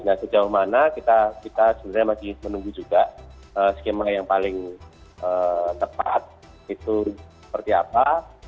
nah sejauh mana kita sebenarnya masih menunggu juga skema yang paling tepat itu seperti apa